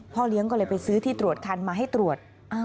เลี้ยงก็เลยไปซื้อที่ตรวจคันมาให้ตรวจ